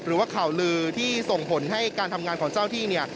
หรือว่าข่าวลือที่ส่งผลให้การทำงานของเจ้าที่เนี่ย